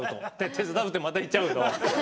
「手伝う」ってまた言っちゃうと。